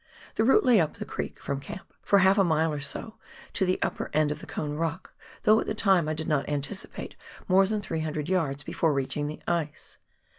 The route lay up the creek, from camp, for half a mile or so, to the upper end of the Cone Rock, though at the time I did not anticipate more than 300 yards before reaching the ice.